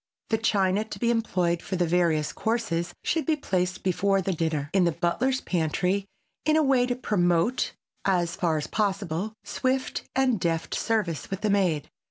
The china to be employed for the various courses should be placed, before the dinner, in the butler's pantry in a way to promote, as far as possible, swift and deft service with the maid.